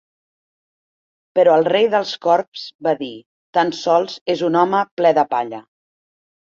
Però el rei dels corbs va dir: "Tan sols és un home ple de palla".